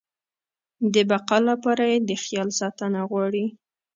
د بقا لپاره يې د خیال ساتنه غواړي.